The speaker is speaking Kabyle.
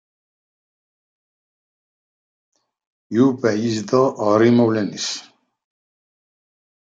Yuba yezdeɣ ɣer yimawlan-nnes.